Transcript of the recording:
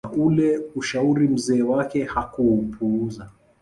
Na ule ushauri mzee wake hakuupuuza